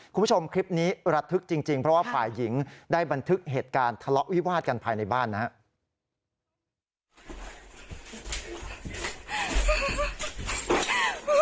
คุณผู้ชมคลิปนี้ระทึกจริงเพราะว่าฝ่ายหญิงได้บันทึกเหตุการณ์ทะเลาะวิวาดกันภายในบ้านนะครับ